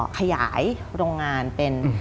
ขยายโรงงานเป็น